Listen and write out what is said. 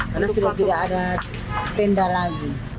karena sudah tidak ada tenda lagi